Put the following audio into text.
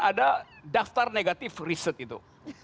ada daftar negatif riset itu